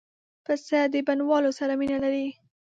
پسه د بڼوالو سره مینه لري.